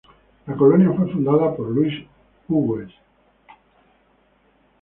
La colonia fue fundada por Luis Hugues.